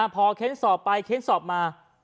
พอเค้นสอบไปเค้นสอบมา